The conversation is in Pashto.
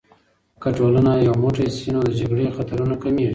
که ټولنه یو موټی سي، نو د جګړې خطرونه کمېږي.